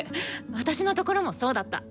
私のところもそうだった！